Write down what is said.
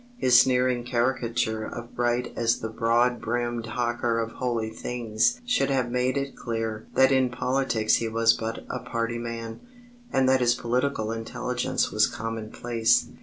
His sneering caricature of Bright as the "broad brimmed hawker of holy things" should have made it clear that in politics he was but a party man, and that his political intelligence was commonplace.